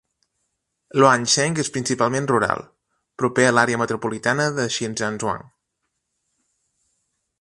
Luancheng és principalment rural, proper a l'àrea metropolitana de Shijiazhuang.